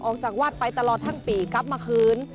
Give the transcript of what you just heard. ออกจากวัดไปตลอดทั้งปีกลับมาคืน